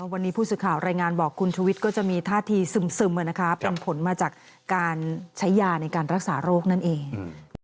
วันนี้ผู้สื่อข่าวรายงานบอกคุณชุวิตก็จะมีท่าทีซึมเป็นผลมาจากการใช้ยาในการรักษาโรคนั่นเอง